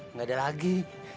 nggak ada lagi